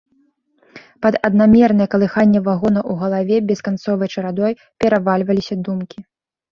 Пад аднамернае калыханне вагона ў галаве бесканцовай чарадой перавальваліся думкі.